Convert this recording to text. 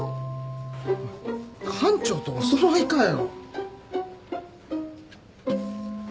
館長とお揃いかよ。